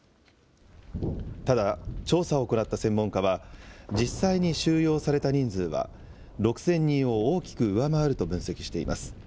ただ、調査を行った専門家は、実際に収容された人数は、６０００人を大きく上回ると分析しています。